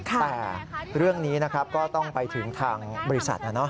แต่เรื่องนี้ก็ต้องไปถึงทางบริษัทนะ